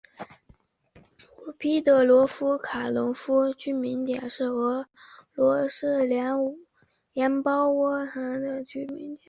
彼得罗夫卡农村居民点是俄罗斯联邦沃罗涅日州巴甫洛夫斯克区所属的一个农村居民点。